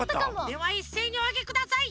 ではいっせいにおあげください！